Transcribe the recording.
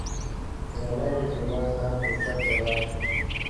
ايرانی ډيپلومات هم اوچت ولاړ شو.